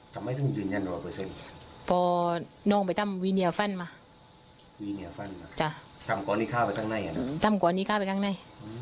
เขานองไปเต้ำวีเนียฟันมาเต้ำก่อนที่เข้าไปข้างใน